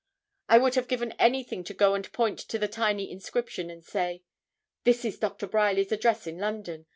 I would have given anything to go and point to the tiny inscription, and say: 'This is Doctor Bryerly's address in London.